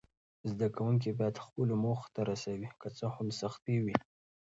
زده کوونکي باید خپلو موخو ته رسوي، که څه هم سختۍ وي.